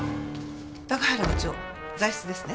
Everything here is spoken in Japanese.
高原部長在室ですね？